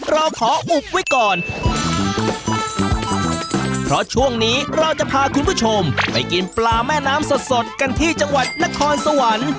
เราขออุบไว้ก่อนเพราะช่วงนี้เราจะพาคุณผู้ชมไปกินปลาแม่น้ำสดสดกันที่จังหวัดนครสวรรค์